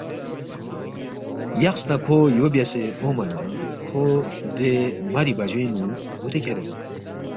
یقس نہ کھو یو بیاسے اونگما نہ کھو دے ماری بجوینگ نُو بُودے کھیرید